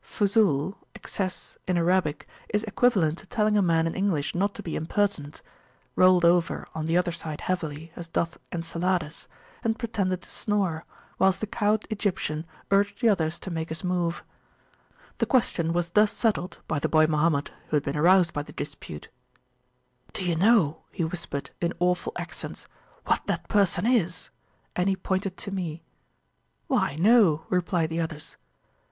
Fuzul (excess) in Arabic is equivalent to telling a man in English not to be impertinentrolled over on the other side heavily, as doth Encelades, and pretended to snore, whilst the cowed Egyptian urged the others to make us move. The question was thus settled by the boy Mohammed who had been aroused by the dispute: Do you know, he whispered, in awful accents, what that person is? and he pointed to me. Why, no, replied the others.